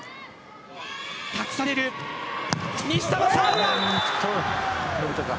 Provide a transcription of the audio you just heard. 託される西田のサーブ。